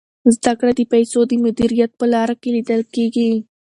زده کړه د پیسو د مدیریت په لاره کي لیدل کیږي.